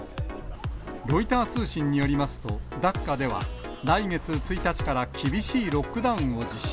ロイター通信によりますと、ダッカでは、来月１日から厳しいロックダウンを実施。